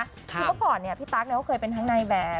ที่เมื่อก่อนเนี่ยพี่ตั๊กเนี่ยเคยเป็นทางในแบบ